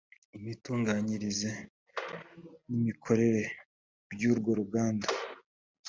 imitunganyirize n’imikorere by’urwo ruganda